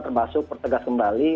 termasuk pertegas kembali